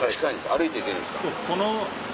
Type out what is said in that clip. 歩いて行けるんですか？